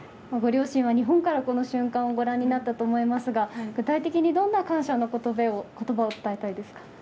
ご両親は日本からこの瞬間をご覧になったと思いますが具体的にどんな感謝の言葉を伝えたいですか。